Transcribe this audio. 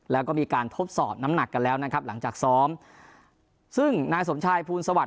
แล้วก็มีการทดสอบน้ำหนักกันแล้วนะครับหลังจากซ้อมซึ่งนายสมชายภูลสวัส